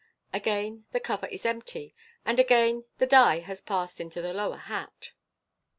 Again the cover is empty, and again the <Me has passed into the lower hat.